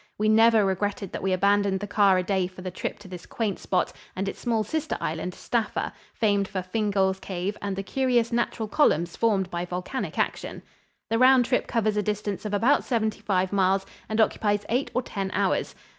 We never regretted that we abandoned the car a day for the trip to this quaint spot and its small sister island, Staffa, famed for Fingall's cave and the curious natural columns formed by volcanic action. The round trip covers a distance of about seventy five miles and occupies eight or ten hours.